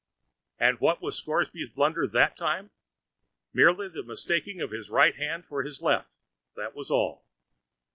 And what was Scoresby's blunder that time? Merely the mistaking his right hand for his left—that was all.